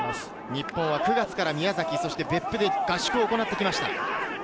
日本は９月から宮崎と別府で合宿を行ってきました。